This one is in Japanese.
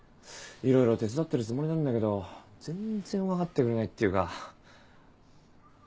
色々手伝ってるつもりなんだけど全然分かってくれないっていうか。